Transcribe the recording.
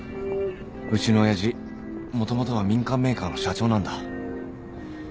うちの親父もともとは民間メーカーの社長なんだ。